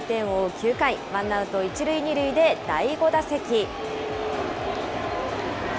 ９回、ワンアウト１塁２塁で第５打席。